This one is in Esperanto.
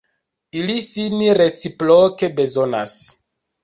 Ili sin reciproke bezonas.